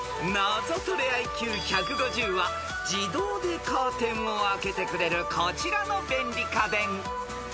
［ナゾトレＩＱ１５０は自動でカーテンを開けてくれるこちらの便利家電］